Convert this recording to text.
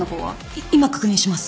い今確認します。